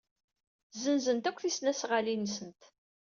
Ssenzent akk tisnasɣalin-nsent.